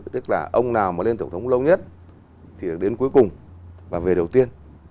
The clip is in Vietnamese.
tức là ông nào mà lên tổng thống lâu nhất thì đến cuối cùng và về đầu tiên